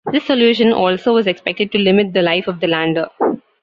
This solution also was expected to limit the life of the lander.